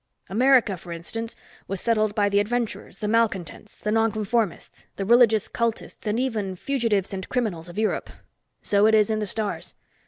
America, for instance, was settled by the adventurers, the malcontents, the non conformists, the religious cultists, and even fugitives and criminals of Europe. So it is in the stars.